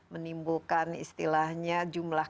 menimbulkan istilahnya jumlah